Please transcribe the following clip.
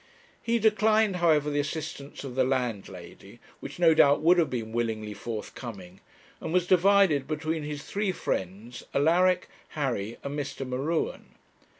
He declined, however, the assistance of the landlady, which no doubt would have been willingly forthcoming, and was divided between his three friends, Alaric, Harry, and Mr. M'Ruen.